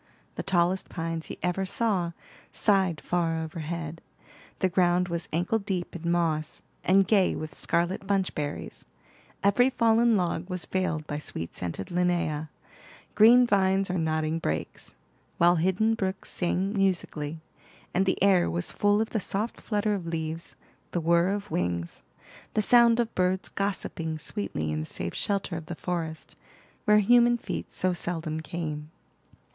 The tallest pines he ever saw sighed far overhead; the ground was ankle deep in moss, and gay with scarlet bunch berries; every fallen log was veiled by sweet scented Linnea, green vines or nodding brakes; while hidden brooks sang musically, and the air was full of the soft flutter of leaves, the whir of wings, the sound of birds gossiping sweetly in the safe shelter of the forest, where human feet so seldom came.